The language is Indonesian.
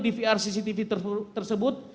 dvr cctv tersebut